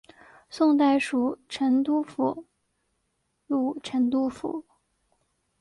宋代属成都府路成都府。